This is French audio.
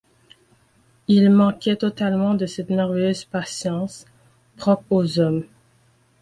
Ils manquaient totalement de cette merveilleuse patience propre aux hommes.